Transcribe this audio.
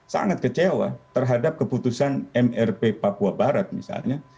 sangat kecewa terhadap keputusan mrp papua barat misalnya